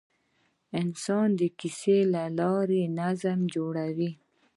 انسان د کیسې له لارې نظم جوړوي.